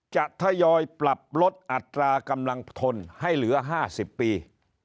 ทยอยปรับลดอัตรากำลังพลให้เหลือ๕๐ปี